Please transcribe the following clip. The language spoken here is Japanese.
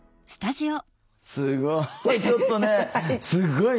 すごい！